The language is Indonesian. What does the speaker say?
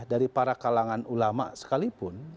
dari para kalangan ulama sekalipun